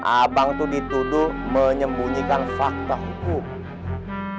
abang itu dituduh menyembunyikan fakta hukum